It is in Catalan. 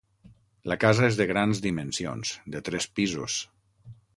La casa és de grans dimensions, de tres pisos.